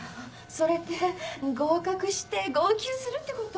それって合格して号泣するってこと？